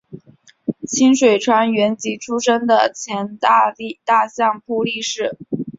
清水川元吉出身的前大相扑力士。